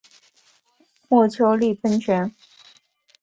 墨丘利喷泉。